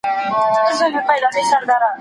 خیر محمد ته د سړک د غاړې څراغونه ډېر روښانه وو.